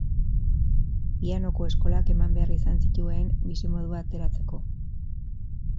Pianoko eskolak eman behar izan zituen bizimodua ateratzeko.